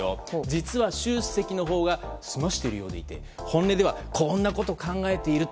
実は習主席のほうがすましているようでいて本音ではこんなことを考えている。